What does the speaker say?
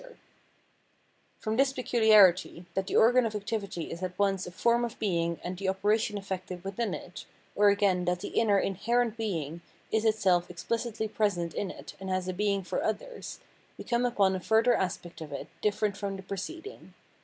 304 Phenomenology of Mind From this peculiarity, that the organ of activity is at once a form of being and the operation effected within it, or again that the inner inherent being is itself exphcitly present in it and has a being for others, we come upon a further aspect of it different from the preceding.